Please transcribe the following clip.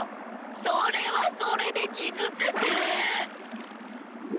それはそれできずつく！